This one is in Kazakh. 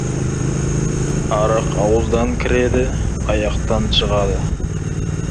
Арақ ауыздан кіреді, аяқтан жығады.